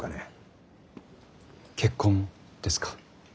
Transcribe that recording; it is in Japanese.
結婚ですか？